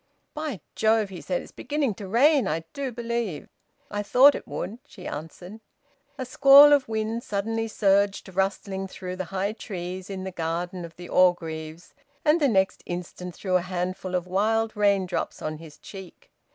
"By Jove!" he said. "It's beginning to rain, I do believe." "I thought it would," she answered. A squall of wind suddenly surged rustling through the high trees in the garden of the Orgreaves, and the next instant threw a handful of wild raindrops on his cheek.